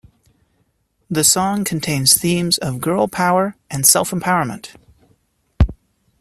The song contains themes of girl power and self empowerment.